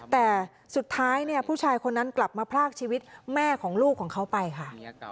แต่สุดท้ายเนี่ยผู้ชายคนนั้นกลับมาพลากชีวิตแม่ของลูกของเขาไปค่ะ